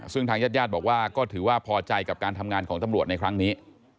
ซึ่งทางญาติญาติบอกว่าก็ถือว่าพอใจกับการทำงานของตำรวจในครั้งนี้